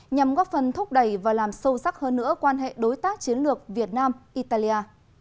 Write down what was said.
nhằm góp phần thúc đẩy và làm sâu sắc hơn nữa quan hệ đối tác chiến lược việt nam italia